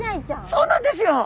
そうなんですよ。